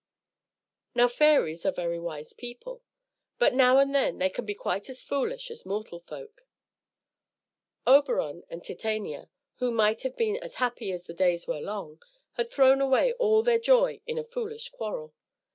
Now fairies are very wise people, but now and then they can be quite as foolish as mortal folk. Oberon and Titania, who might have been as happy as the days were long, had thrown away all their joy in a foolish quarrel.